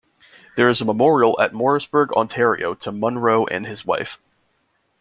There is a memorial at Morrisburg, Ontario to Munro and his wife.